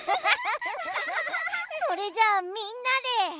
それじゃあみんなで。